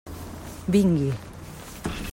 Vingui.